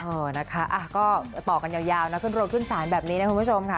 เออนะคะก็ต่อกันยาวนะขึ้นโรงขึ้นศาลแบบนี้นะคุณผู้ชมค่ะ